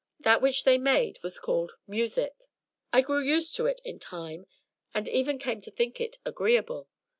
That which they made was called ''Music'' I grew used to it in time, and even came to think it agreeable.